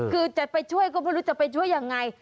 คือจะไปช่วยก็ไม่รู้จะไปช่วยยังไง